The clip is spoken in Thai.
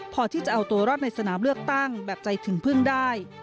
พอที่จะเอาตัวรอดในสนามเลือกตั้งแบบใจถึงพึ่งได้